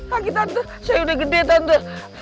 kaki tante saya udah gede tante